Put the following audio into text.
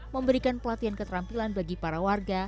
memberikan pelatihan keterampilan bagi para warga